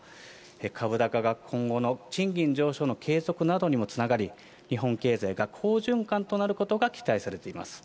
株高が今後の賃金上昇の継続などにもつながり、日本経済が好循環となることが期待されています。